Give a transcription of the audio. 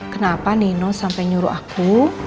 kenapa nino sampai nyuruh aku